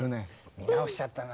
見直しちゃったな。